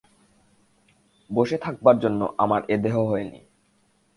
বসে থাকবার জন্য আমার এ দেহ হয়নি।